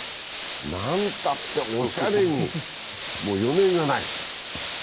なんたっておしゃれに余念がない。